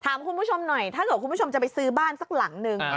คุณผู้ชมหน่อยถ้าเกิดคุณผู้ชมจะไปซื้อบ้านสักหลังนึง